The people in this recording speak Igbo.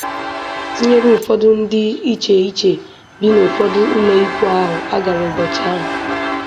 tinyéré ụfọdụ ndị dị iche iche bi n'ụfọdụ ụlọikwuu ahụ a gara ụbọchị ahụ